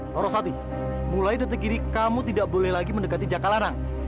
taruh sati mulai detik ini kamu tidak boleh lagi mendekati jakalanang